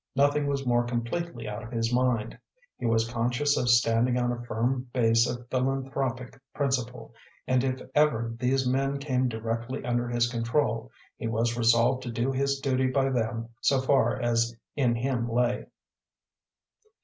Nothing was more completely out of his mind. He was conscious of standing on a firm base of philanthropic principle, and if ever these men came directly under his control, he was resolved to do his duty by them so far as in him lay.